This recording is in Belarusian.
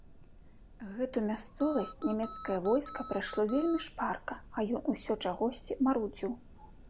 Гэту мясцовасць нямецкае войска прайшло вельмі шпарка, а ён усё чагосьці марудзіў.